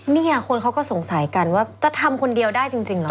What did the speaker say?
เนี่ยคนเขาก็สงสัยกันว่าจะทำคนเดียวได้จริงเหรอ